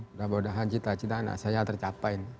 mudah mudahan cita cita anak saya tercapai